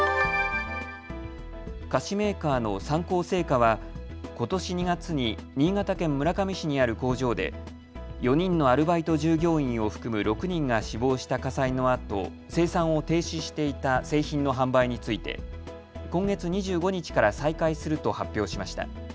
菓子メーカーの三幸製菓はことし２月に新潟県村上市にある工場で４人のアルバイト従業員を含む６人が死亡した火災のあと生産を停止していた製品の販売について今月２５日から再開すると発表しました。